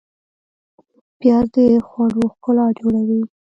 پیاز د خوړو ښکلا جوړوي